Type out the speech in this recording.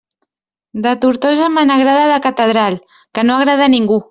De Tortosa me n'agrada la catedral, que no agrada a ningú!